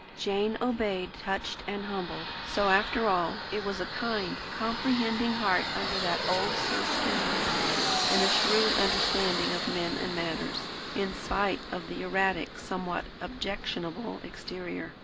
Jane obeyed, touched and humbled. So, after all, it was a kind, comprehending heart under that old sealskin waistcoat; and a shrewd understanding of men and matters, in spite of the erratic, somewhat objectionable exterior.